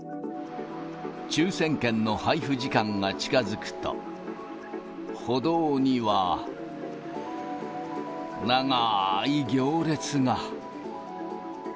抽せん券の配布時間が近づくと、歩道には長ーい行列が。